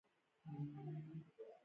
ژوندي لیدنې کوي